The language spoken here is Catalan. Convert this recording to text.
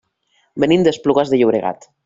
Venim d'Esplugues de Llobregat.